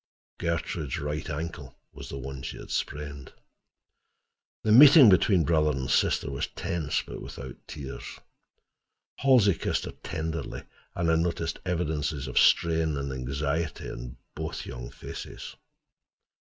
Gertrude's right ankle was the one she had sprained! The meeting between brother and sister was tense, but without tears. Halsey kissed her tenderly, and I noticed evidences of strain and anxiety in both young faces.